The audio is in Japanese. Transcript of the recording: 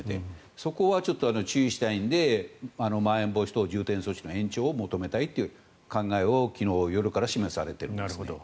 そこはちょっと注意したいのでまん延防止等重点措置の延長を求めたいという考えを昨日の夜から示されているんですね。